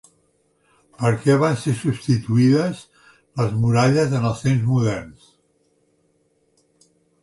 Per què van ser substituïdes les muralles en els temps moderns?